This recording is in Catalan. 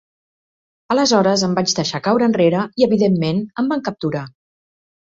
Aleshores em vaig deixar caure enrere, i evidentment, em van capturar.